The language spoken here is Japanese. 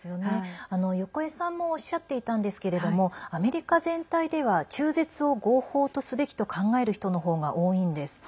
横江さんもおっしゃっていたんですけれどもアメリカ全体では「中絶を合法とすべき」と考える人のほうが多いんです。